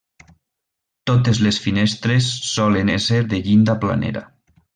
Totes les finestres solen esser de llinda planera.